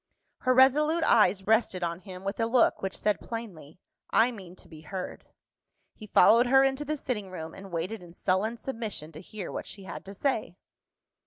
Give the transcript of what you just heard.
Her resolute eyes rested on him with a look which said plainly, "I mean to be heard." He followed her into the sitting room, and waited in sullen submission to hear what she had to say.